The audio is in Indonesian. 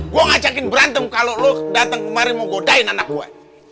gua ngacakin berantem kalo lu dateng kemari mau godain anak gue